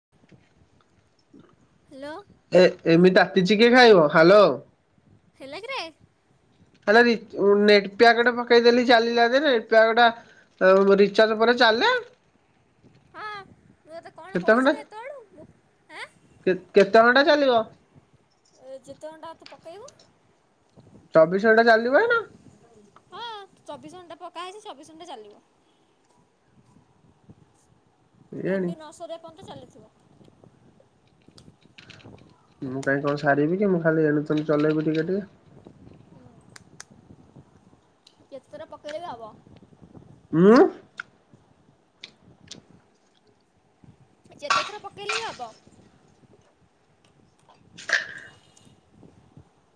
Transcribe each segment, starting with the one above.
[inaudible] Hello ଏ ଏମିତିତିଚିକେ ଖାଇବ ହାଲୋ ହେଲାକିରେ? ହେଲା ନଟ ପିଗଟା ପକେଇଦେଲି ଚାଲିଲା ଯେ ନେଟ ପିଆକ୍ଟା ରିଚାର୍ଜ ପରେ ଚାଲେ ହଁ ମୁଁ ତତେ କ'ଣ କେତେ କହୁଛି କି ଏତେବେଳୁ ମୁଁ ଘିନଣ୍ଟା କେତେ ଘଣ୍ଟା ଚାଲିବ? ଏ ଯେତେ ଘଣ୍ଟ ତ ପକେଇବୁ ଚବିଶ ଘଣ୍ଟା ଚାଲିବାଇ ନା। ଟା ପକା ହେଇଛି ସବି ସୁେ ଚାଲିବ। କେଜାଣି ଏମ୍ବି ନ ସରି ବା ପର୍ଯ୍ୟନ୍ତ ଚାଲିଥିବ ମୁଁ କାଇହିଁ କଣ ସାରିବି କି ମୁଁ ଖାଲି ଏଣୁ ତଣୁ ଚଲେଇବି ଟିକେ ଟିକେ କେତେ ଥର ପକେଇଲେ ବି ହେବ। ମୁଁ ଯେତେଥର ପକେଇଲେ ବି ହବ।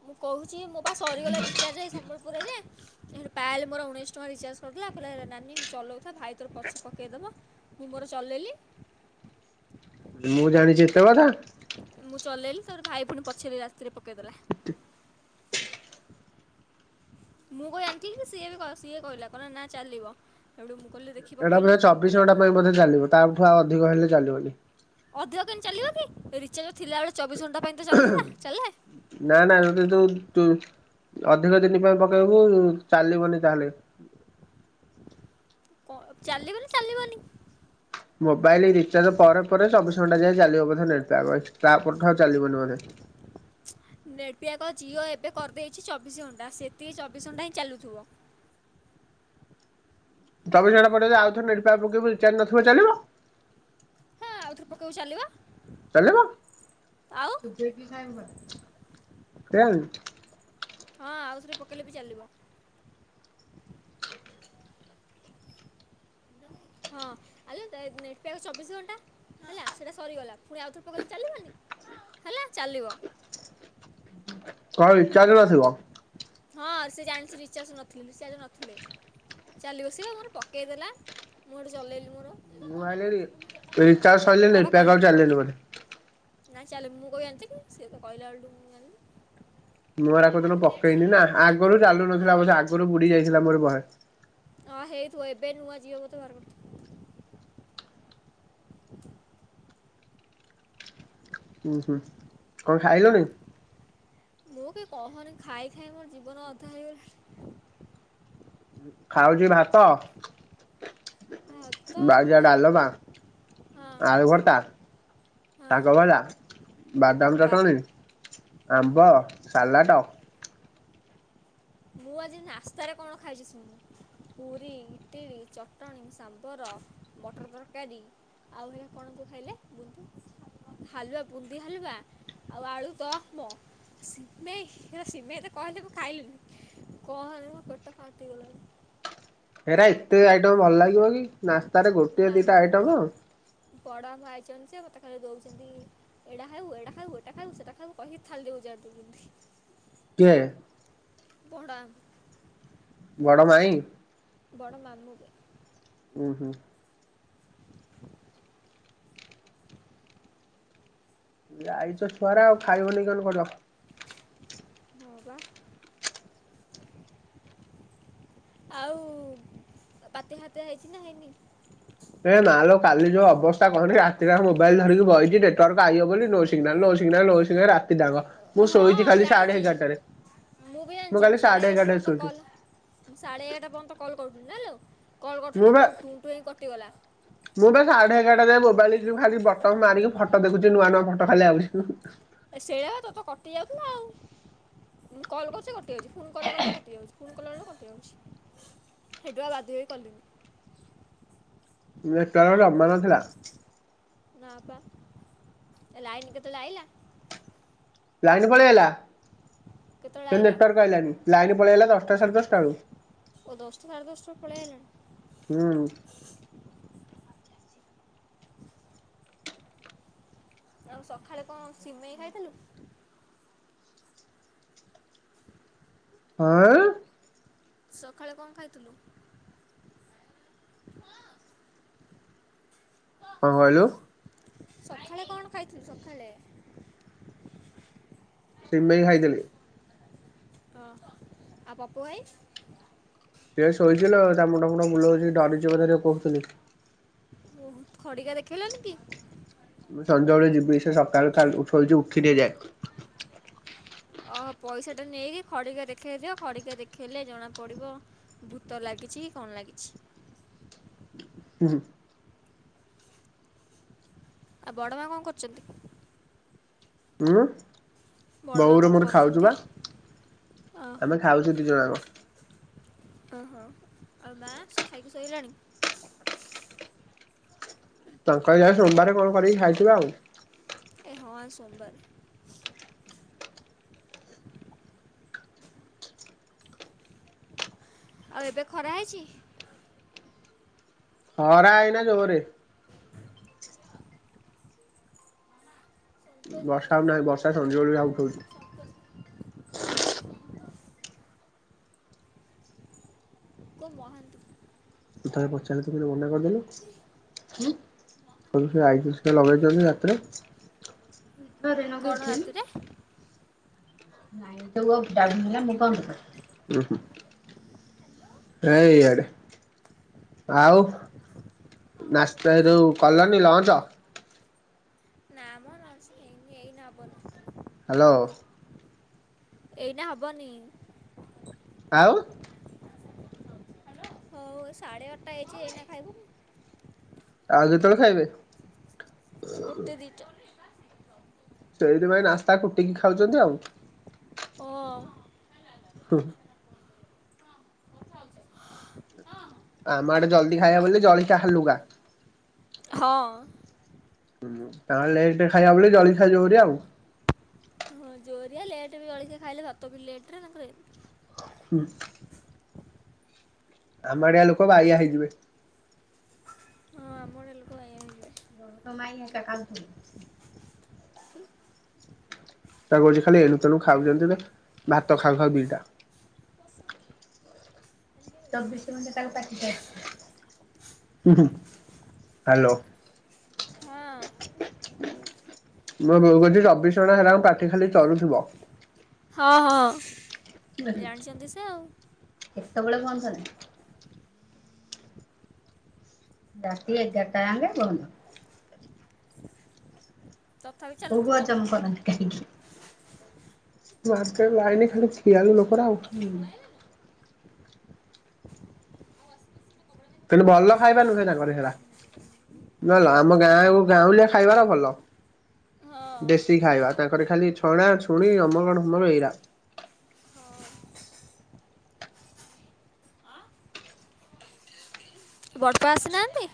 ମୁଁ କହୁଛି ମୋ ବା ସରିଗଲା ରିଚାର୍ଜ ଏ ସମ୍ବଲପୁରରେ ଯେ ପାଇଲେ ମୋର ଉଣେଇଶି ଟଙ୍କା ରିଚାର୍ଜ କରଦେଲା ଲା ହେଲା ନାନୀ ଚଲଉଥା ଭାଇ ତୋର ପଛେ ପକେଇଦବ ମୁଁ ମର ଚଲେଇଲି। ହ ମୁଁ ଜାଣିଛି ଏତେ କଥା ମୁଁ ଚଲେଇଲି ତୋର ଭାଇ ପୁଣି ପଛାରିଲି ରାତିରେ ପକାଇଦେଲା ମୁଁ କହି ଆଣିଥିଲି ସିଏ ବି ସିଏ କହିଲା କହିଲ ନା ଚାଲିବ ଏଠୁ ମୁ ଏଇଟା ବ ଚବିଶ ଘଣ୍ଟା ପାଇଁ ମଧ୍ୟ ଚାଲିବ ତାଠୁ ଆ ଅଧିକ ହେଲେ ଚାଲିବନି। ଅଧିକ କେମ ଚାଲିବ କି ରିଚାର୍ଜ ଥିଲା ବଳେ ଚବିଶ ଘଣ୍ଟା ପାଇଁ ତ ଉହୁଁ ଚାଲିଥିଲା ଚାଲେ ନା ନା ସେଟେ ତ ତୁ ଅଧିକ ଦିନ ପାଇଁ ପକେଇବୁ ଚାଲିବନି ତାହେଲେ କ ଚାଲିବନା ଚାଲିବନି? ମୋବାଇଲ ରିଚାର୍ଜ ପରେ ଚବିଶ ଘଣ୍ଟା ଯାଇଏ ଚାଲିବ ବଧେ ତାପଠ ଆଉ ଚାଲିବନ ବୋଧେ ନେଟଫ୍୍ୟାକ୍ ଜିଓ ଏବେ କରିଦେଇଛି ଚବିଶ ଘଣ୍ଟା ସେତିକି ଚବିଶ ଘଣ୍ଟା ହିଁ ଚାଲୁଥିବ। ତମ ଜଣା ପଡିବ ଯେ ଆଉ ଥର ନି ପକେଇବୁ ରଚାର ନଥିବ ଚାଲିବ ହଁ ଆଉଥରେ ପକେଇବୁ ଚାଲିବ ଚାଲେ ବା ଆଉ ସୁ କେଇଆଣି ହଁ ଆଉଥରେ ପକେଇଲେ ବି ଚାଲିବ। [inaudible] ହଁ ଆ ଚବିଶ ଘଣ୍ଟା ହେଲା ସେଟା ସରିଗଲା ପୁଣି ଆଉଥରେ ପକେଇି ଚାଲିବନି ହେଲା ଚାଲିବ। କଣ ରିଚାର୍ଜ ଆସିବ ହଁ ସେ ଜାଣିଛି ନିିଚା ଶୁ ନଥିଲେ ନିଚାସ ନଥିଲେ। ଚାଲି ବସି ବା ମୋର ପକେଇ ଦେେଲା ମୁଁ ଏଠି ଚଲେଇଲି ମୋର ମୁଁ ଭାଇିଲଣି ରିଚାର୍ଜ ସଇଲେ ନେଟିପ୍ଯାକ୍ ଚାଲେନି ବୋଲି। ନା ଚାଲ ମୁଁ କହ ଏତି ସେିଏ ତ କହିଲା ବେଳୁ ମୁଁ ଜାଣିଲି। ମୁୂ ଏରା ଆରେ କଦିନ ଆମ ନେଟ୍ ପକେଇନି ନା ସରିଗଲା କି ନାଇଁ ଆଗରୁ ଦିନକୁ ଚାଲୁ ବେଳେ ନଥିଲା ପକେଇ ବବ ଆଗରୁ ବୁଡି ଯାଇଥିଲା ମୋର ବହେ ଅଁ ହେଇ ଥିବ ଏବେ ନୁଆ ଜିଓ ବୋଧେ ବାହାର କରିଥିବ [inaudible] ହୁଁ ହୁଁ କଣ ଖାଇଲଣି? ମୁଁ କି କହନି ଖାଇ ଖାଇ ମୋର ଜୀବନ ଅଧା ହେଇଗଲା। ଖାଉଛି ଭାତ। ଭାତ ନୁ ବାରିଆ ଏଣୁ ଡାଲମା ବା ତେଣୁ ହଁ ଆଳୁ ଭର୍ତା ହଁ ଶାଗ ଭଜା ବାଦାମ ବୋପା ଚଟଣୀ। ଆମ୍ବ ସଲାଟ। ମୁଁ ଆଜି ନାସ୍ତାରେ କଣ ଖାଇଛି ଶୁଣୁ। ପୁରୀ ଇଟିଲ ଚଟଣି ସାମ୍ବର ମଟର ତରକାରୀ। ଆଉ ହେରା କଣ ତ ଖାଇଲେ ବୁନଦି ହାଲୁଆ ବୁନ୍ଦୀ ହାଲୁଆ। ଆଉ ଆଳୁ ଦମ ସିମେଇ ହେରା ସିମେଇ ଯେତେବେଳେ କହିଲେ ମୁଁ ଖାଇଲିନି। କହନି ମୋ ପେଟ ଫଟିିଗଲାଣି। ହେରା ଏତେ ଆଇଟମ୍ ଭଲ ଲାଗିବ କି ନାସ୍ତାରେ ଗୋଟିଏ ଦିଇଟା ମାମୁଁ ଆଇଟମ୍। ବଡ଼ ମାମୁଁ ଆଇଛନ୍ତି ଯେ ମୋତେ ଖାଲି ଦଉଛନ୍ତି ଏଇଟା ଖାଇବୁ ଏଇଟା ଖାଇବୁ ଏଟା ଖାଇବୁ ସେଟା ଖାଇବୁ କହିକି ଥାଳି ରେ ଓଯାଡ଼ି। ତୁ ଏ। ବଡ଼ ଆମୁଁ। ବଡ଼ ମାଇଁ। ବଡ଼ ମାମୁଁ ବେ। ଉଁ ହୁଁ। ଯାଇଛ ଛୁଆରା ଆଉ ଖାଇବନି କେଁତି କହୁଚ। ହଁ ବା। ଆଉ ବାତ୍ୟା ଫାତିଆ ହେଇଛି ନା ହେଇନି। ହେ ମା ଲୋ କାଲି ଯୋଉ ଅବସ୍ଥା କହନି ରାତି ଯାକ ମୋବାଇଲ ଧରିକି ବଇଛି ନେଟୱାର୍କ ଆଇବ ବୋଲି no signal no no signal no signal ରାତି ଜାଙ୍କ ମୁଁ ହଁ ଶୋଇଛି ମୁଁ କାଲି ସାଢେ ଜାଣିଛି ଏଗାରଟାରେ। ମୁଁ ବି ଜଣିଛି କାଲି ମୁଁ ସାଢେ ଏଗାରଟା ଏଗାରଟାରେ ପର୍ଯ୍ୟନ୍ତ ଶୋଇଛି କଲ୍ ମୁଁ ସାଢେ ଏଗାରଟା ପର୍ଯ୍ୟନ୍ତ କଲ୍ କରୁଥିଲି ଜାଣିଲୁ। ମୁଁ ବା ମୁଁ ବା ସାଢେ ଏଗାରଟା ଯାଏଁ ମୋ ଖାଲି ବଟମ ମାରିକି ଫଟୋ ଦେଖୁଛି ନୂଆ ନୂଆ ଫଟୋ ଖାଲି ଆଉଛି। ଏ ସେୟା ତୋର ତ କଟି ଯାଉଥିଲା ଆଉ ମୁଁ କଲ କରୁଛି କ ଟେରି ଫୋନ ରୁ କଲ କଲା ବେଳକୁ କଟିଯାଉଛି ଫୁ କଲା ବେଳକୁ କଟିଯାଉଛି ହେଟୁ ଆଉ ବାଧ୍ୟ ହେଇ କଲିନି। ନେଟୱାର୍କ ଜମା ନଥିଲା। ନା ପା ଏ ଲାଇନି କେତେବେଳେ ଆଇଲା। ଲାଇନ ପଳେଇଆଇଲା। କେତେବେଳେ ସେ ଆଇଲା ନେଟୱାର୍କ ପାଇିଲାନି ଲାଇନ ପଳେଇଆଇଲା ଦଶଟା ସାଡେ ଦଶଟା ବେଳୁ। ଓ ଦଶଟା ସାଡେଦଶଟା ରୁ ପଳେଇ ଆଇଲାଣି। ହୁଁ ଆଉ ସଖାଳେ କଣ ସିମେଇ ଖାଇଥିଲୁ। ହଁ। ସଖାଳେ କଣ ଖାଇଥିଲୁ। କଁ କହିଲୁ। ସଖାଳେ କଣ ଖାଇଥିଲୁ ସଖାଳେ। ସିମେଇ ଖାଇଥିଲି। ଅ ହ ଆଉ ପପୁ ଭାଇ। ସିଏ ଶୋଇଛି ଲୋ ତା ମୁଣ୍ଡ ଫୁଣ୍ଡ ବୁଲଉଛି ଡରିଛି କଥା ଯୋଉ କହୁଥିଲି। ଓ ହୋ ଖଡିକା ଦେଖେଇଲ ନି କି। ମୁଁ ସଞ୍ଜ ବେଳେ ଯିବି ସେ ସକାଳୁ ଠାରୁ ଶୋଇଛି ଉଠିନି ଏ ଯାଏଁ। ଅ ହ ପଇସା ଟା ନେଇକି ଖଡିକା ଦେଖେଇ ଦିଅ ଖଡ଼ିକା ଦେଖେଇଲେ ଜଣା ପଡିବ ଭୂତ ଲାଗ ଗିଛି କି କଣ ଲାଗିଛି। ହୁଁ ହୁଁ। ଆଉ ବଡ ମା କଣ କରୁଛନ୍ତି। ଉଁ। ବଡ଼ ମା ବୋଉ ର କଣ ମୋର ଖାଉଛୁ କରୁଛନ୍ତି ବା ଓହୋ ଆମେ ଖାଉଛୁ ଦି ଜଣ ଯାକ। ଓହୋ ଆଉ ମା ଖାଇକି ଶୋଇଲାଣି। ତାଙ୍କର ଜା ସୋମବାର କଣ କରିକି ଖାଇଥିବ ଆଉ। ଏ ହଁ ଆଜି ସୋମବାରେ। ଆଉ ଏବେ ଖରା ହେଇଛି। ହରା ଏ ଇ ନା ଜୋରେ। ସନ୍ତୋଷ ବର୍ଷା ଆଉ ମହାନ୍ତି ନାହିଁ ବର୍ଷା ସଂଜବେଲିଆ ଉଠଉଛି। କୋଉ ମହାନ୍ତି। ତା ପ ଚାଲେ ତୁ ମନା କରିଦେଲୁ। ଉଁ? କ ଆଇ ସେ ଲଗେଇ ଜ ଯାତ୍ରା। କଣ ରାତିରେ? ନାଇଁ ତ [unintelligible] ଏ ଏଇଆଡେ ଆଉ ନାସ୍ ତ ଯୋଉ କଲନି ଲଞ୍ଚ? ନାମ ଲଞ୍ଚ ହେଇନି ଏଇନା ହବନି। ହ୍ୟାଲୋ। ଏଇନା ହବନି। ଆଉ? ହଉ ସାଢ଼େ ଆଠଟା ହେଇଚି ଏଇନା ଖାଇବୁ? ଆଉ କେତେବେଳେ ଖାଇବେ? ଗୋଟେ ଦିଟା। ସେଇଥିପାଇଁ ନାସ୍ତା କୁଟିକି ଖାଉଛନ୍ତି ଆଉ। ଓ। [unintelligible] ଆମ ଆଡେ ଜଲ୍ଦି ଖାଇବା ବୋଲି ଜଳଖିଆ ହାଲୁଗା। ହଁ। ହୁଁ। ତାେଲେଟେ ଖାଇବା ବୋଲି ଜଳି ଖାଇ ଜଉରି ଆଉ। ହଁ ଜୋରିଆ ଲେଟ୍ ବି ଜଳଖିଆ ଖାଇଲେ ଭାତ ବି ଲେଟ ରେ ତାଙ୍କର ହୁଁ। ଆମ ଆଡିଆ ଲୋକ ଵାଇଆ ହେଇଯିବେ। ହଁ ଆମଡ଼େ ଲୋକ ବାଇଆହେଇ [unintelligible] କି? ତା କରଛି ଖାଲି ଏଣୁ ତେଣୁ ଖାଉଛନ୍ତି ତ ଭାତ ଖାଉ ଖାଉ ଦିଟା। ଚବିଶ ଘଣ୍ଟା ତାଙ୍କ ପାଟି ଚାଲି ହ୍ୟାଲୋ। ହଁ ମ ବୋଉ କହୁଛି ଚବିଶ ଘଣ୍ଟା ହେରା ପାଟି ଖାଲି ଚରୁଥିବ। ହଁ ହ ଜାଣିଛନ୍ତି ସେ ଆଉ। ସବୁବେଳେ [unintelligible] ରାତି ଏଗାର ଟା ହେଲେ ବନ୍ଦ। ତଥାପି [unintelligible] ଚାଲୁଥିବ। ମାର୍କେଟ ଲାଇନ ଖାଲି ଖିଆଲୁ ଲୋକରା ତେଣୁ ଭଲ ଖାଇବା ନୁହେଁ [unintelligible] ନ ହେଲା ଆମ ଗାଁକୁ- ଗାଉଁଲିଆ ଖାଇବାର ଭଲ। ହଁ। ଦେଶୀ ଖାଇବା ତାଙ୍କରେ ଖାଲି ଛୁ ଛଣା ଛୁଣି ଅମକ ଢ଼ମକ ଏଇୟା। ବଡ଼ପା ଆସିନାହାନ୍ତି?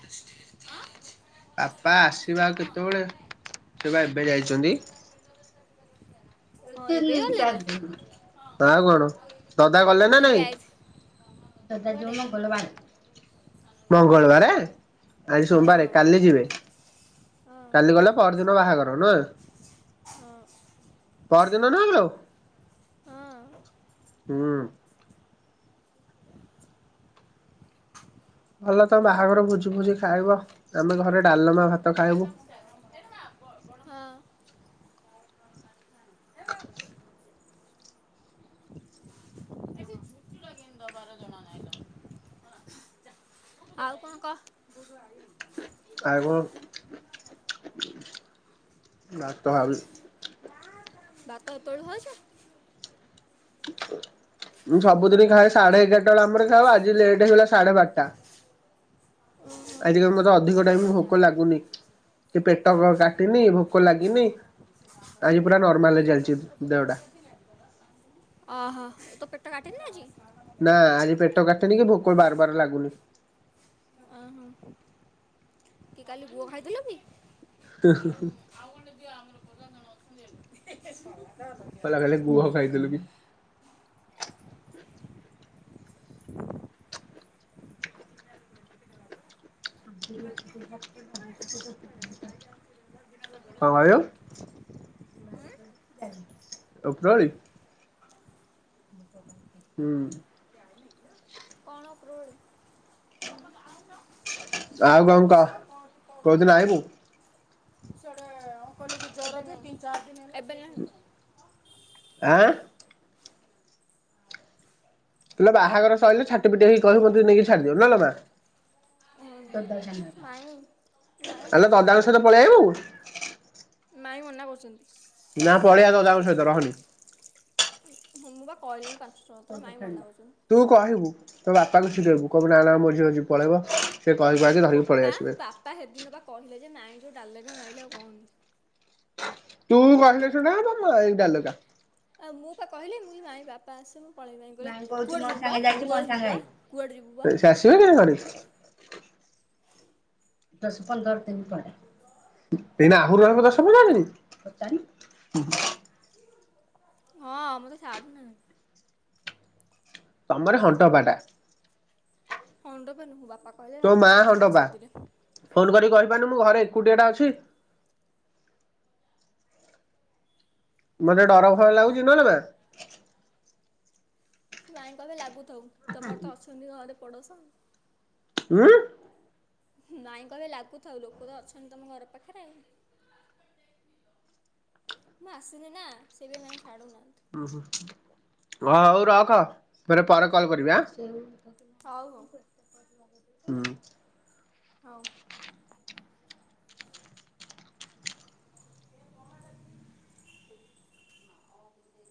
ଆପା ଆସିବା ଆଉ କେତେବେଳେ ସେ ବା ଏବେ ଯାଇଛନ୍ତି। ହଁ ଏତେ ଏବେ ଲି ଗଲେ ଚାର୍ କି? ଦିନ ଆ କଣ ଦଦା ଗଲେ ନା କଣ ଏବେ ନାଇଁ। ଆଇ ଦଦା କୁଆଡ଼େ? ଯୋଉଦିନ ଗଲେ ବାର ମଙ୍ଗଳବାରେ। ଆଜି ହଁ ସୋମବାରେ କାଲି ଯିବେ ହଁ କାଲି ଗଲେ ପରଦିନ ବାହାଘର ନୁହ? ହଁ। ପହର ଦିନ ନା ଲୋ? ହଁ। ହୁଁ। ଭଲ ତମ ବାହାଘର ଭୋଜି ଭୋଜି ଖାଇବ ଆମେ ଘରେ ଡାଲମା ଭାତ ତ ଖାଇବୁ। [unintelligible] ଆଉ କଣ କହ ଆଉ କଣ ଭାତ ବାଟ ତଳ ଭଛ ଆ ମୁଁ ସବୁଦିନ ଖାଏ ସାଢେ ଏଗାରଟା ବେଳ ଆମ ଖାାଉ ଆଜି ଲେଟ ହେଇଗଲା ସାଢେ ବାରଟା ଓହୋ ଆଜ କାଲି ମତେ ଅଧିକ ଟାଇମ ଭୋକ ଲାଗୁନି ସେ ପେଟ କାଟିନି ଭୋକ ଲାଗିନି ଆଜି ପୁରା ନର୍ମାଲ ଚାଲିଛି ଦଉଡ଼ା ଓହୋ ତ ପେଟଟା କାଟନି ଆଜି ନା ଆଜି ପେଟ କାଟନି କି ଭୋକଳ ବାରବାର ଲାଗୁନି ଓହୋ କି କାଲି ଗୁଅ ଖାଇଥିଲ ବି ଆଉ ଆଉ କଣେ ଦଅ ଆମର ପଚାର ଜଣ ଅଛନ୍ତି କଲା ଖାଲି ଗୁହ ଖାଇଥିଲୁ କି କଣ ଆଉ ଅଗରଳଳି ହୁଁ ଅଖୋଡ଼୍ ଆଉ କଁ କା କୋଉଦିନ ଆଇିବୁ କ ଗ ତତିନ ଚାର ଦିନବେ ଆଁ ହେ ବାହାଘର ସରିଲ ଛାଟି ପିଟି ହେଇ କହିବ ମ ତୁ ନେଇକି ଛାଡିଦିବୁ ନ ମା ମାଇଁ ମାଇଁ ହେଲେ ତଦାଳ ଛାଡୁନାହାନ୍ତି। ସହିତ ପଳେଇ ଆବ ମାଇଁ ମନା ବଛନ୍ତି ନା ପଢଆ ତ ଯାଉଛ ତ ରହନି ଁ ବା କହିଲୁନୁ ପା ତୁ କହିବୁ ତୋ ବାପାଙ୍କୁ ଡେଇବୁ କବ ନା ନା ମଝି ମଝି ପଳେଇବ ସେ କହି କୁହାକି ଧରିକି ପଳେଇ ବପା ଆସିବେ ବାପା ସେଦିନ ବା କହିଲଥିଲେ ଯେ ନାଇଁ ଯୋଉ ଡାଗ ମାରିଲ ଆଉ କହନ ତୁ କହିଲେ ଶୁଟ ଏଇାଲୁକା ଆଉ ମୁଁ ବା କହିଲି ମୁଇ ମାଇ ବାପା ଆସିବୁ ଭାଇ କହୁଛି ମୋ ସାଙ୍ଗେ ଯାଇଛି ମୋ ଯିବୁ ବା କୁଆଡ଼େ ଯିବୁ ବା ସାଙ୍ଗେ ଆସିବ ଦଶ ପନ୍ଦର ଦିନ ପ ଏନା ଆହୁରୁ କଥା ସବୁ ଜାଣନି ହଁ ମୁଁ ତ ଛଡୁନ ତମର ହଣ୍ଟବାଟା ହଣ ଦ ମୋନୁ ବାପା କହିଲେ ତୋ ମା ବାପା ମାଇଁ ହନ୍ଦପା ଶୋଧିଲେ। ଫୋନ୍ କରି କହ ମୁ ଘରେ ଏକୁଟିଆ ଟା ଅଛି ମତେ ଡର ଭୟ ଲାଗୁଛି ନହେଲେ ବା ସେ ମାଇ କ ଏବେ ଲାଗୁଥଉ ତମର ତ ଅଛନ୍ତି ଘରେ ପଡୋଶ ହଁ ନାଇଁ କହିବେ ଲାଗୁଥାଉ ଲୋକ ତ ଅଛନ୍ତି ତମ ଘର ପାଖରେ ମୁଁ ଆସିଲି ନା ସେବେ ମ ଛାଡୁନା ଉ ହୁଁ ହ ହଉ ରଖ ରେ ପରେ କଲ କରିବି ଆ ହଉ ହଉ ହୁଁ ହଉ